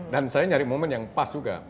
dan saya nyari momen yang pas juga